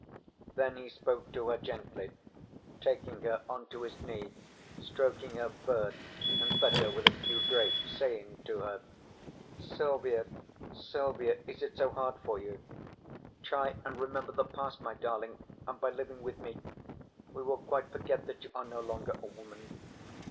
Then he spoke to her gently, taking her on to his knee, stroking her fur and fed her with a few grapes, saying to her: "Silvia, Silvia, is it so hard for you? Try and remember the past, my darling, and by living with me we will quite forget that you are no longer a woman.